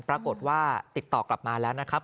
ปรากฏว่าติดต่อกลับมาแล้วนะครับ